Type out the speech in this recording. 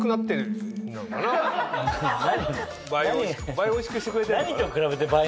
倍おいしくしてくれてるのかな？